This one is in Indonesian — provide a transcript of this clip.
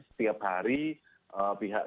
setiap hari pihak